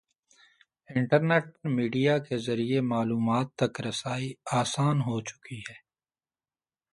Internet پر media کے ذریعے معلومات تک رسائی آسان ہو چکی ہے۔